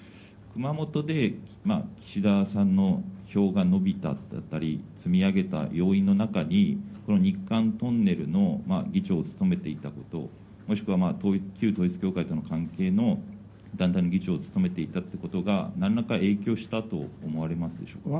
熊本で、岸田さんの票が伸びただったり、積み上げた要因の中に、この日韓トンネルの議長を務めていたこと、もしくは旧統一教会との関係の団体の議長を務めていたということが、なんらか影響したと思われますでしょうか。